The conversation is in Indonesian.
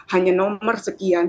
hanya nomor sekian